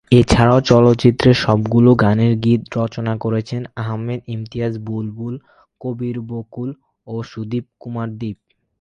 এছাড়াও চলচ্চিত্রের সবগুলো গানের গীত রচনা করেছেন আহমেদ ইমতিয়াজ বুলবুল, কবির বকুল ও সুদীপ কুমার দীপ।